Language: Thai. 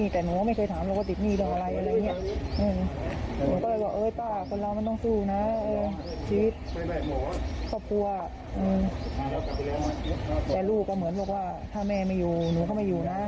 แต่ลูกก็เหมือนบอกว่าถ้าแม่ไม่อยู่หนูก็ไม่อยู่นะ